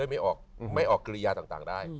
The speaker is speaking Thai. ไม่ออกกริยาต่างได้